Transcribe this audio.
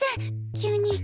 急に。